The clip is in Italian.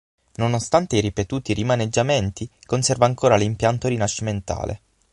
Nonostante i ripetuti rimaneggiamenti, conserva ancora l'impianto rinascimentale.